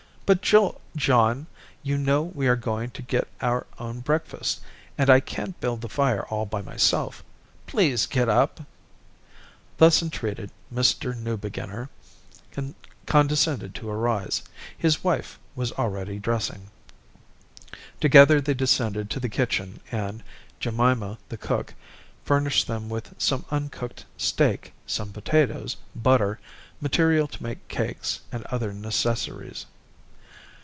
"But Jul John, you know we are going to get our own breakfast, and I can't build the fire all by myself. Please get up." Thus entreated, Mr. Newbeginner condescended to arise. His wife was already dressing. Together they descended to the kitchen, and Jemima, the cook, furnished them with some uncooked steak, some potatoes, butter, material to make cakes, and other necessaries.